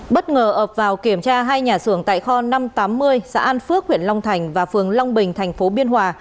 bất ngờ ập vào kiểm tra hai nhà xưởng tại kho năm trăm tám mươi xã an phước huyện long thành và phường long bình thành phố biên hòa